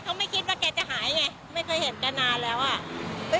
เขาไม่คิดว่าไม่ได้เห็นพวกเราระบายการหายไป